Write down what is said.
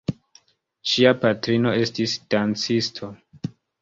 Ŝia patrino estis dancisto.